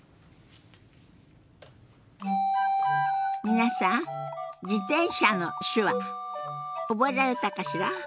皆さん「自転車」の手話覚えられたかしら？